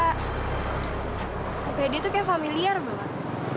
oke dia tuh kayak familiar banget